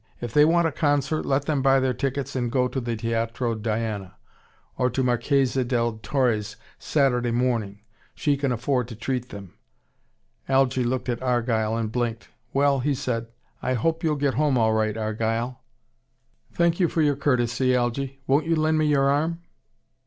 If they want a concert, let them buy their tickets and go to the Teatro Diana. Or to Marchesa del Torre's Saturday morning. She can afford to treat them." Algy looked at Argyle, and blinked. "Well," he said. "I hope you'll get home all right, Argyle." "Thank you for your courtesy, Algy. Won't you lend me your arm?"